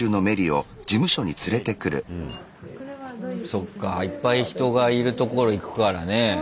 そっかいっぱい人がいる所行くからね。